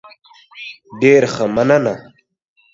ډیر ښه، مننه.